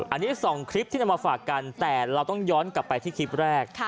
อันนี้๒คลิปที่นำมาฝากกันแต่เราต้องย้อนกลับไปที่คลิปแรก